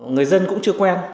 người dân cũng chưa quen